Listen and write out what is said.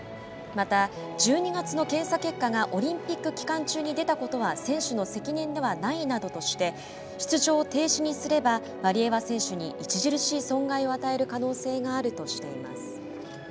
また、１２月の検査結果がオリンピック期間中に出たことは選手の責任ではないなどとして出場停止にすればワリエワ選手に著しい損害を与える可能性があるとしています。